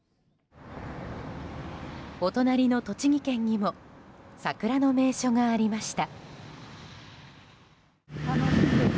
お隣の栃木県にも桜の名所がありました。